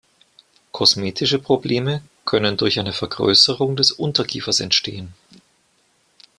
Kosmetische Probleme können durch eine Vergrößerung des Unterkiefers entstehen.